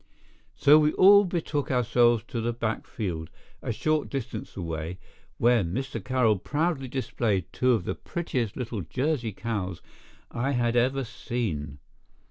So we all betook ourselves to the back field, a short distance away, where Mr. Carroll proudly displayed two of the prettiest little Jersey cows I had ever seen.